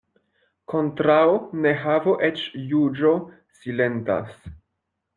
Kontraŭ nehavo eĉ juĝo silentas.